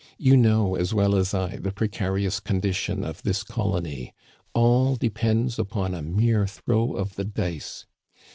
"You know as well as I the precarious condition of this colony ; all depends upon a mere throw of the dice.